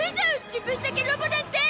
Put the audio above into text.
自分だけロボなんて！